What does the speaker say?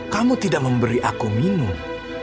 kamu tidak memberi aku minum